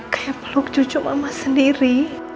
kayak peluk cucu mama sendiri